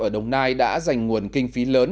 ở đồng nai đã dành nguồn kinh phí lớn